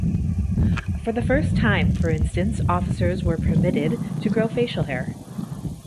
For the first time, for instance, officers were permitted to grow facial hair.